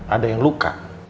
ada yang luka